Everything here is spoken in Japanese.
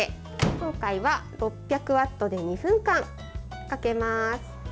今回は６００ワットで２分間かけます。